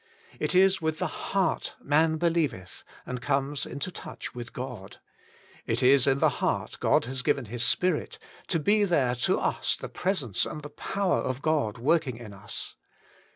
It is with the heart man believeth, and comes into touch with God. It is in the heart God has given His Spirit, to be there to us the presence and the power of God working in us.